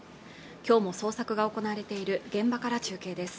今日も捜索が行われている現場から中継です